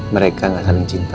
mereka gak saling cinta